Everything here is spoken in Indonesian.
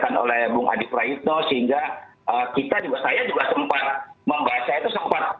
dikatakan oleh bung adi praetno sehingga kita juga saya juga sempat membaca itu sempat